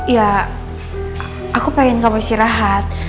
ya aku pengen kamu istirahat